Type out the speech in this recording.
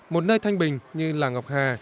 một nơi thanh bình như làng ngọc hà